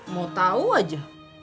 mau tahu aja